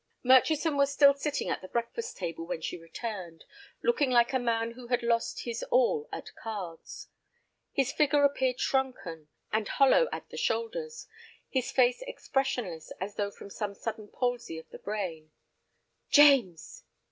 Murchison was still sitting at the breakfast table when she returned, looking like a man who had lost his all at cards. His figure appeared shrunken, and hollow at the shoulders, his face expressionless as though from some sudden palsy of the brain. "James!"